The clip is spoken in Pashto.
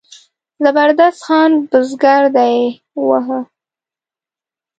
د زبردست خان بزګر دی وواهه.